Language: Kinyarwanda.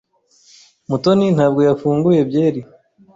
Mutoni ntabwo yafunguye byeri.